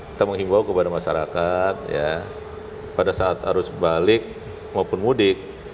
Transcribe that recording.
kita mengimbau kepada masyarakat ya pada saat harus balik maupun mudik